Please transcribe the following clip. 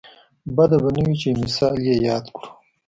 بده به نه وي چې یو مثال یې یاد کړو.